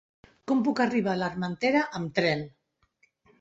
Com puc arribar a l'Armentera amb tren?